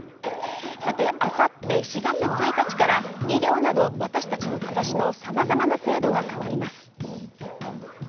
あさって４月１日から医療など私たちの暮らしのさまざまな制度が変わります。